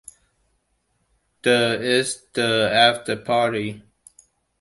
The is the afterparty.